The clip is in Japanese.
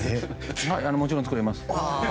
もちろん作れます。